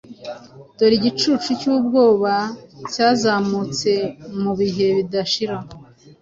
Dore igicucu cyubwoba cyazamutse Mubihe bidashira!